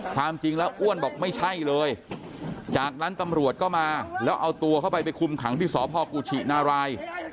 ความจริงแล้วอ้วนบอกไม่ใช่เลยจากนั้นตำรวจก็มาแล้วเอาตัวเข้าไปไปคุมขังที่สพกุชินาราย